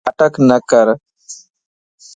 ناٽڪ نڪر